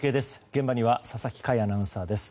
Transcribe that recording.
現場には佐々木快アナウンサーです。